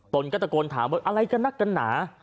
ตนก็ตะโกนถามว่าอะไรกันนักกันหนา